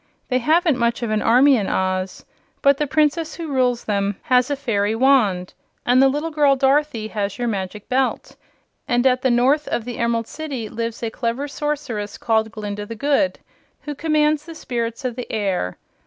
They haven't much of an army in Oz, but the Princess who ruled them has a fairy wand; and the little girl Dorothy has your Magic Belt; and at the North of the Emerald City lives a clever sorceress called Glinda the Good, who commands the spirits of the air.